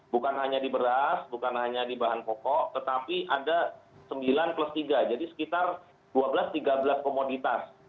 bukan hanya di beras bukan hanya di bahan pokok tetapi ada sembilan plus tiga jadi sekitar dua belas tiga belas komoditas